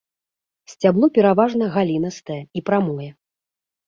Сцябло пераважна галінастае і прамое.